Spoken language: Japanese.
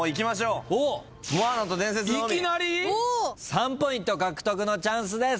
３ポイント獲得のチャンスです。